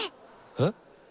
えっ？